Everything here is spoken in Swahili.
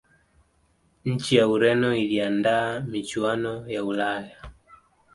nchi ya ureno iliandaa michuano ya ulaya